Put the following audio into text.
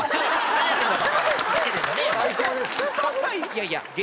いやいや。